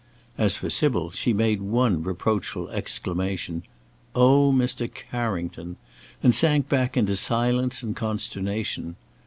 As for Sybil, she made one reproachful exclamation: "Oh, Mr. Carrington!" and sank back into silence and consternation.